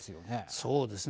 そうですね。